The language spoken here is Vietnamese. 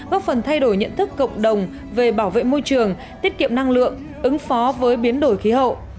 góp phần thay đổi nhận thức cộng đồng về bảo vệ môi trường tiết kiệm năng lượng ứng phó với biến đổi khí hậu